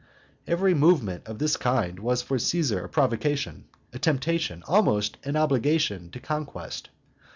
Every movement of the kind was for Caesar a provocation, a temptation, almost an obligation to conquest.